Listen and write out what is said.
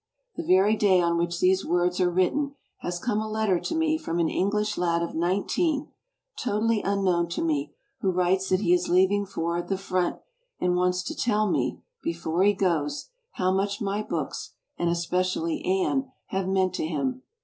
The very day on which these words are written has come a tetter to me from an English lad of nineteen, totally unknown to me, who writes that he is leaving for "the front" and wants to tell me "before he goes" how much my books and especially v^nn^ have meant to him.